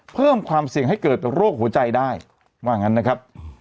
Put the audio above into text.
เพิ่มความเสี่ยงให้เกิดโรคหัวใจได้ว่างั้นนะครับ